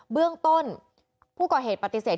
เบื้องต้นผู้ก่อเหตุปฏิเสธ